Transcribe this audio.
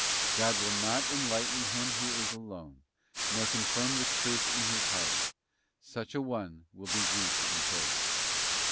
God will not enlighten him who is alone, nor confirm the truth in his heart: such an one will be weak and cold.